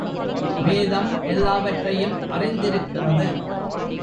வேதம் எல்லாவற்றையும் அறிந்திருக்கிறது.